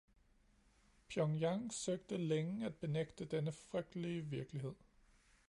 Pyongyang søgte længe at benægte denne frygtelige virkelighed.